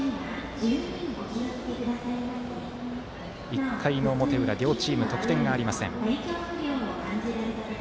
１回の表裏両チーム得点ありません。